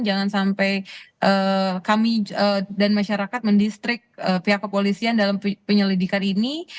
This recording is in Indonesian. jangan sampai kami dan masyarakat mendistrik pihak kepolisian dalam penyelidikan ini